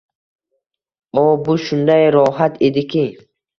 O, bu shunday rohat ediki